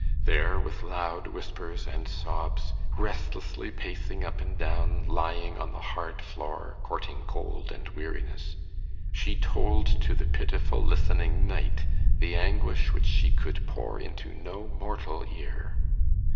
There, with loud whispers and sobs, restlessly pacing up and down, lying on the hard floor, courting cold and weariness, she told to the pitiful listening night the anguish which she could pour into no mortal ear.